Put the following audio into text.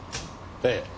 ええ。